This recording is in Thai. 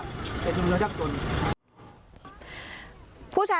มันเป็นสิ่งที่เราไม่ได้รู้สึกว่า